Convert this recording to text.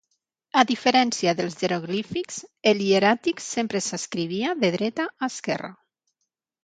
A diferència dels jeroglífics, el hieràtic sempre s'escrivia de dreta a esquerra.